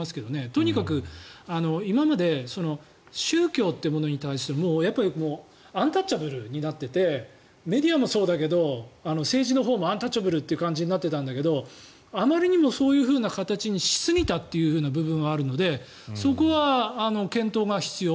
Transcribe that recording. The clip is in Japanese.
とにかく今まで宗教というものに対してアンタッチャブルになっていてメディアもそうだけど政治のほうもアンタッチャブルという感じになっていたんだけどあまりにもそういうふうな形にしすぎた部分はあるのでそこは検討が必要。